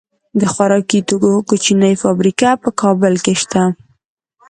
د خوراکي توکو کوچنۍ فابریکې په کابل کې شته.